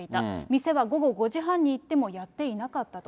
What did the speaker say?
店は午後５時半に行ってもやっていなかったと。